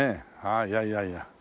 ああいやいやいや。